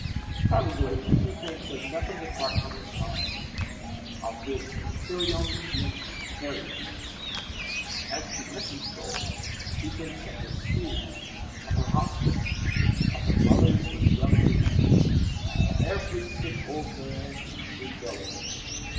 Probably he thinks of nothing apart from his mine; of his 'Imperium in Imperio.' As to Mrs. Gould, she thinks of her schools, of her hospitals, of the mothers with the young babies, of every sick old man in the three villages.